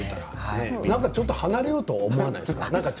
なんかちょっと離れようと思わないですか？